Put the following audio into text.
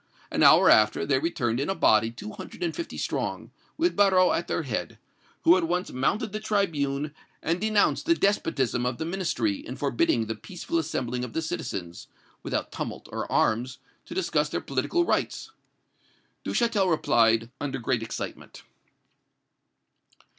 An hour after, they returned in a body two hundred and fifty strong, with Barrot at their head, who at once mounted the tribune and denounced the despotism of the Ministry in forbidding the peaceful assembling of the citizens, without tumult or arms, to discuss their political rights. Duchatel replied, under great excitement.